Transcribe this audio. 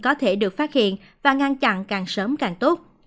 có thể được phát hiện và ngăn chặn càng sớm càng tốt